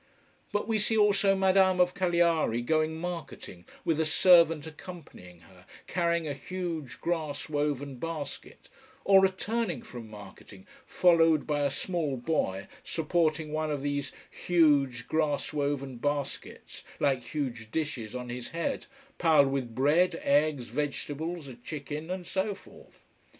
But we see also Madame of Cagliari going marketing, with a servant accompanying her, carrying a huge grass woven basket: or returning from marketing, followed by a small boy supporting one of these huge grass woven baskets like huge dishes on his head, piled with bread, eggs, vegetables, a chicken, and so forth.